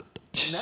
何？